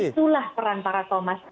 itu adalah peran para thomas